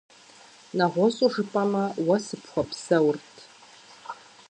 НэгъуэщӀу жыпӀэмэ, уэ сыпхуэпсэурт…